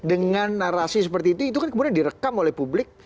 dengan narasi seperti itu itu kan kemudian direkam oleh publik